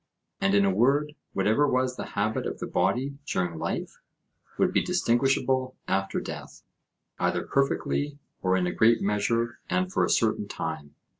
And in a word, whatever was the habit of the body during life would be distinguishable after death, either perfectly, or in a great measure and for a certain time.